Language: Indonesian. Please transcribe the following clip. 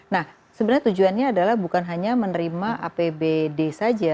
nah sebenarnya tujuannya adalah bukan hanya menerima apbd saja